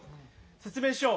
説明しよう。